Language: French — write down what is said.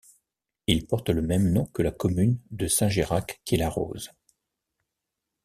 Il porte le même nom que la commune de Saint-Geyrac qu'il arrose.